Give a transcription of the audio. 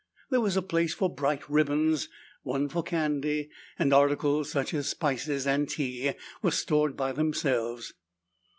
There was a place for bright ribbons, one for candy, and articles such as spices and tea were stored by themselves.